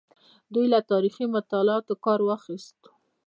دوی له تاریخي مطالعاتو کار واخیست.